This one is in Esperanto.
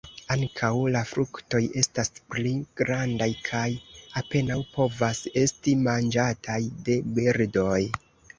Ankaŭ la fruktoj estas pli grandaj kaj apenaŭ povas esti manĝataj de birdoj.